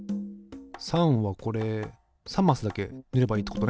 ３はこれ３マスだけ塗ればいいってことね。